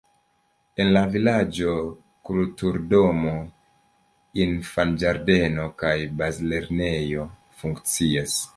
En la vilaĝo kulturdomo, infanĝardeno kaj bazlernejo funkcias.